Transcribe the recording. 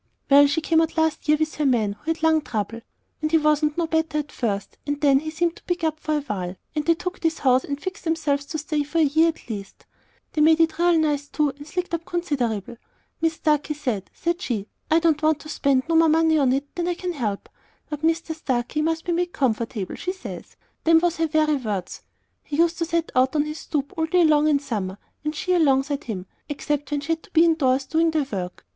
"Well, she come out last year with her man, who had lung trouble, and he wasn't no better at first, and then he seemed to pick up for a while; and they took this house and fixed themselves to stay for a year, at least. They made it real nice, too, and slicked up considerable. Mis Starkey said, said she, 'I don't want to spend no more money on it than I can help, but Mr. Starkey must be made comfortable,' says she, them was her very words. He used to set out on this stoop all day long in the summer, and she alongside him, except when she had to be indoors doing the work.